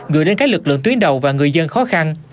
gửi đến các lực lượng tuyến đầu và người dân khó khăn